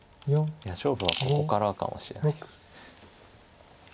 いや勝負はここからかもしれないです。